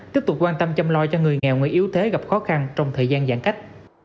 tiếp tục quan tâm chăm lo cho người nghèo người yếu thế gặp khó khăn trong thời gian giãn cách